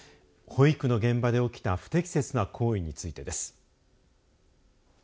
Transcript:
保育の現場で起きた不適切な行為についてです。